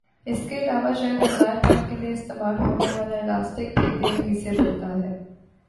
اس کے علاوہ شاید آزار بند کیلئے استعمال ہونے والا الاسٹک بھی تیل ہی سے بنتا ھے